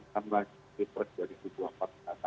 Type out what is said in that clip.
yang melaju p tiga dua ribu dua puluh empat